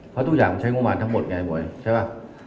เพราะทุกอย่างใช้งบมารทั้งหมดไงหมวยใช่ป่ะ